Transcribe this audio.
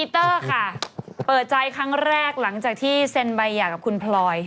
ตั้งแรกหลังจากที่เซ็นบาย่ากับคุณพลอย